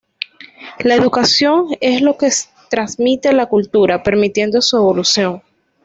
La educación es lo que transmite la cultura, permitiendo su evolución.